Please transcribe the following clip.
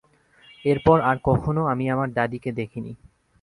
এরপর আর কখনো আমি আমার দাদীকে দেখিনি।